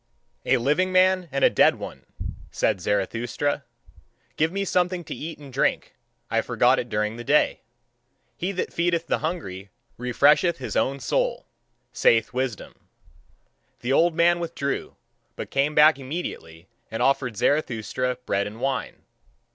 "A living man and a dead one," said Zarathustra. "Give me something to eat and drink, I forgot it during the day. He that feedeth the hungry refresheth his own soul, saith wisdom." The old man withdrew, but came back immediately and offered Zarathustra bread and wine.